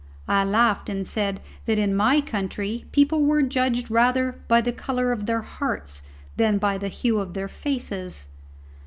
I laughed and said, that in my country people were judged rather by the colour of their hearts than by the hue of their faces.